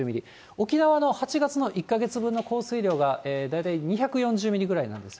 沖縄の８月の１か月分の降水量が大体２４０ミリぐらいなんです。